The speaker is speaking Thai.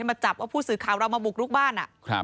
มาจับว่าผู้สื่อข่าวเรามาบุกลุกบ้าน